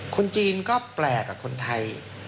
คนจีนก็แปลกกับคนไทย